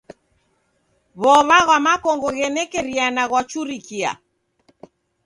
W'ow'a ghwa makongo ghenekeriana ghwachurikie.